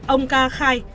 ông ca khai